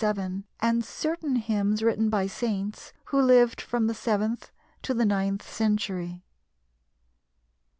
597), and certain hymns written by saints who lived from the seventh to the ninth century.